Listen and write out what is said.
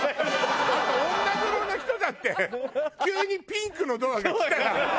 あと女風呂の人だって急にピンクのドアが来たら警戒するからね。